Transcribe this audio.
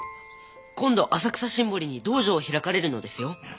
今度浅草・新堀に道場を開かれるのですよ。